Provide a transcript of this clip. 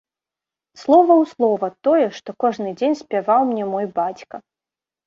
Слова ў слова тое, што кожны дзень спяваў мне мой бацька.